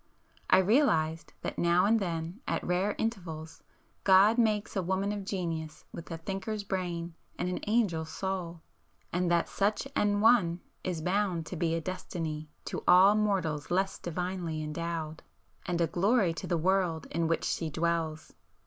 I realized that now and then at rare intervals God makes a woman of genius with a thinker's brain and an angel's soul,—and that such an one is bound to be a destiny to all mortals less divinely endowed, and a glory to the world in which she dwells.